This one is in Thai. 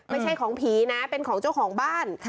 ไม่ใช่ของผีนะเป็นของเจ้าของบ้าน